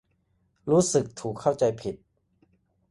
รู้สึกถูกเข้าใจผิด